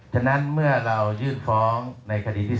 ฉะนั้นเมื่อเรายื่นฟ้องในคดีที่๓